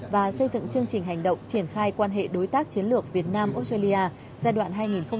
và xây dựng chương trình hành động triển khai quan hệ đối tác chiến lược việt nam australia giai đoạn hai nghìn hai mươi hai nghìn hai mươi ba